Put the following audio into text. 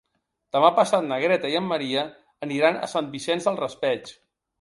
Demà passat na Greta i en Maria aniran a Sant Vicent del Raspeig.